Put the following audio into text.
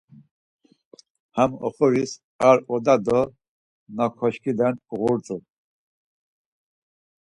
Ham oxoris ar oda do na ǩoşǩilen uğurt̆u.